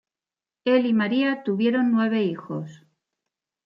Él y María tuvieron nueve hijos.